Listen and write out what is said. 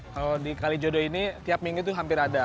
kalau di kalijodo ini tiap minggu itu hampir ada